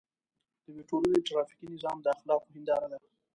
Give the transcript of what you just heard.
د یوې ټولنې ټرافیکي نظام د اخلاقو هنداره ده.